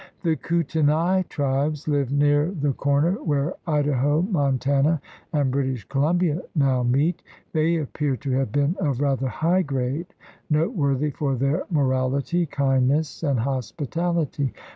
The Kutenai tribes lived near the corner where Idaho, Montana, and British Colum bia now meet. They appear to have been of rather high grade, noteworthy for their morality, kindness, and hospitality.